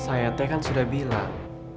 saya t kan sudah bilang